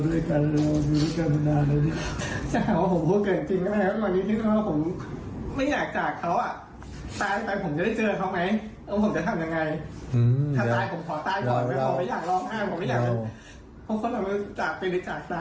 ผมคิดถึงขนาดนี้นะครับ